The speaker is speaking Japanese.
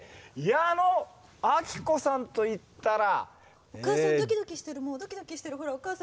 矢野顕子さんといったら。